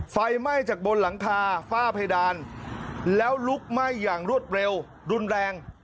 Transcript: ไฟไหม้จากบนหลังคาฝ้าเพดานแล้วลุกไหม้อย่างรวดเร็วรุนแรง